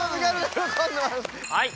はい。